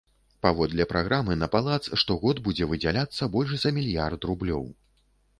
Паводле праграмы на палац штогод будзе выдзяляцца больш за мільярд рублёў.